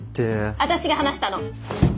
私が話したの。